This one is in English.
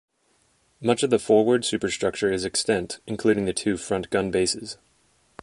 Much of the forward superstructure is extant, including the two front gun bases.